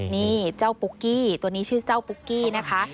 นี่เจ้าปุ๊กกี้ตัวนี้ชื่อเจ้าปุ๊กกี้นะคะ